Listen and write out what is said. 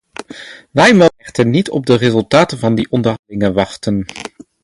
Wij mogen echter niet op de resultaten van die onderhandelingen wachten.